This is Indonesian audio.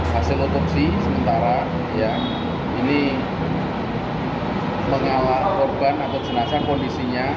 hasil otopsi sementara ini pengawal korban atau jenazah kondisinya